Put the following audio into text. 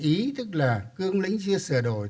ý tức là cương lĩnh chưa sửa đổi